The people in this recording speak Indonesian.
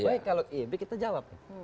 baik kalau ib kita jawab